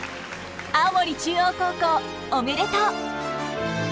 青森中央高校おめでとう。